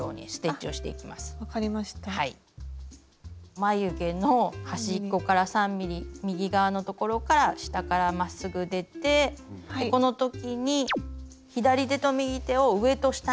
眉毛の端っこから３ｍｍ右側のところから下からまっすぐ出てこの時に左手と右手を上と下に手を使い分けてですね